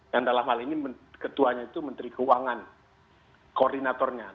dan dalam hal ini ketuanya itu menteri keuangan koordinatornya